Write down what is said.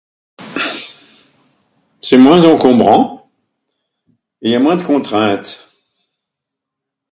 C'est moins encombrant, et y'a moins de contraintes.